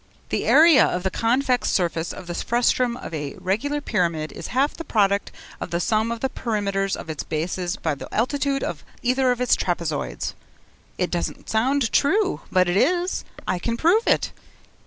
The area of the convex surface of the frustum of a regular pyramid is half the product of the sum of the perimeters of its bases by the altitude of either of its trapezoids. It doesn't sound true, but it is I can prove it!